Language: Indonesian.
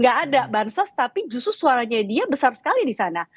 gak ada bansos tapi justru suaranya dia besar sekali di sana